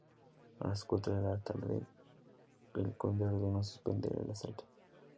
A las cuatro de la tarde el conde ordenó suspender el asalto.